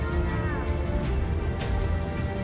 สวัสดีครับคุณผู้ชาย